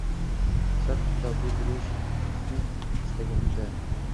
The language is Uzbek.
Hisob-kitobli bo‘lishini istaganimda